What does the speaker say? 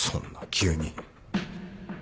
急に？